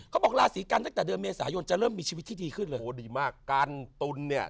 เขาบอกลาศีกันตั้งแต่เดินเมษายนจะเริ่มมีชีวิตที่ดีขึ้นเลย